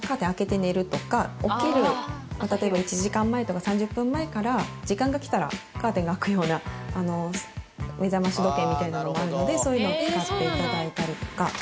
起きる例えば１時間前とか３０分前から時間がきたらカーテンが開くような目覚まし時計みたいなのもあるのでそういうのを使って頂いたりとか。